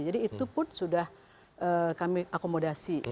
jadi itu pun sudah kami akomodasi